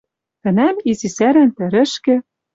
Тӹнӓм изи сӓрӓн тӹрӹшкӹ